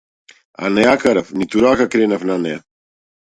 А не ја карав ниту рака кренав на неа.